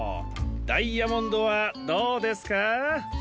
ダイヤモンドはどうですかー？